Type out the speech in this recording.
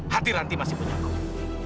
hati ranti masih punya aku